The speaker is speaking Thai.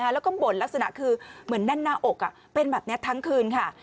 แล้วก็บ่นลักษณะคือเหมือนแน่นหน้าอกเป็นแบบนี้ทั้งคืนค่ะ